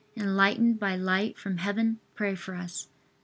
enlightened by light from Heaven, pray for us.